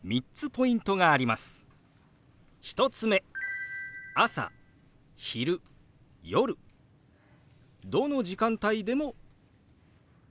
１つ目朝・昼・夜どの時間帯でも使えます。